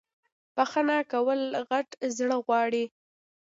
بخښنه کول غت زړه غواړی